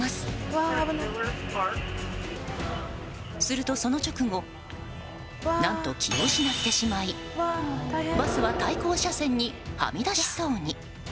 すると、その直後何と気を失ってしまいバスは対向車線にはみ出しそうに。